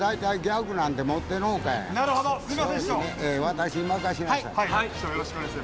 私に任しなさい。